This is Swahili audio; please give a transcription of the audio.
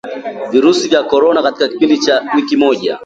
virusi vya Corona katika kipindi cha wiki moja